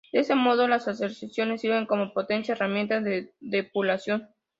De este modo, las aserciones sirven como potente herramienta de depuración.